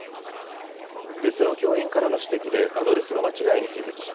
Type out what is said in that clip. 別の教員からの指摘でアドレスの間違いに気付き